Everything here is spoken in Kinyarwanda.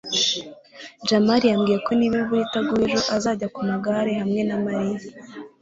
jamali yambwiye ko niba imvura itaguye ejo azajya ku magare hamwe na mariya